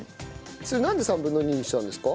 それなんで３分の２にしたんですか？